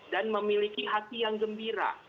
dan memiliki hati yang gembira